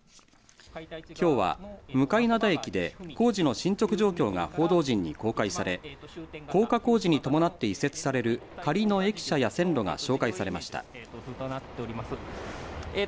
きょうは向洋駅で工事の進捗状況が報道陣に公開され高架工事に伴って移設される仮の駅舎や線路が紹介されました。